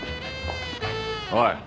おい。